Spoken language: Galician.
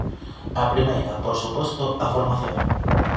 A primeira, por suposto, a formación.